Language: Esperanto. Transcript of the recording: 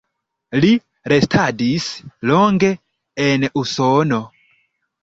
Li restadis longe en Usono.